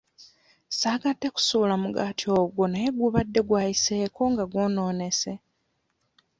Saagadde kusuula mugaati ogwo naye gubadde gwayiseeko nga gwonoonese.